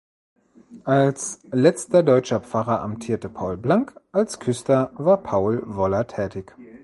Als letzter deutscher Pfarrer amtierte Paul Blank, als Küster war Paul Woller tätig.